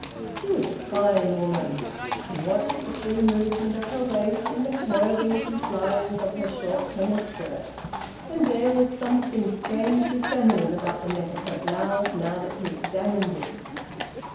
She was a fine woman! He watched the free movement of her waist, and the curvings and flyings of her short tennis skirt. And there was something strangely feminine about the neck of her blouse, now that he examined it.